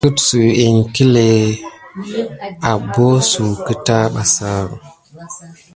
Akəɗsuw iŋkle afata suna abosuna kita ɓà.